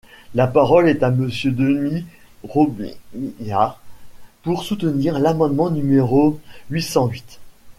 La parole est à Monsieur Denys Robiliard, pour soutenir l’amendement numéro huit cent huit.